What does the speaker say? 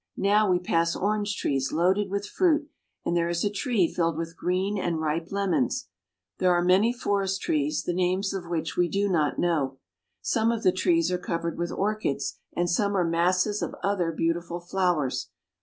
Now we pass orange trees loaded with fruit, and there is a tree filled with green and ripe lemons. There are many forest trees, the names of which we do not know. Some of the trees are covered with orchids, and some are masses of other beautiful flowers.